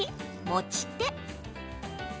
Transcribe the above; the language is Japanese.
持ち手。